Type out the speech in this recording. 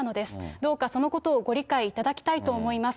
どうかそのことをご理解いただきたいと思います。